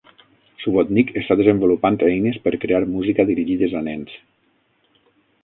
Subotnick està desenvolupant eines per crear música dirigides a nens.